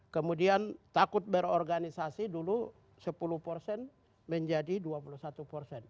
kemudian takut berorganisasi dulu sepuluh persen menjadi dua puluh satu persen